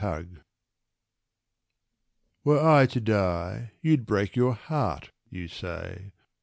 SONNET. Were I to die, you'd break your heart, you say.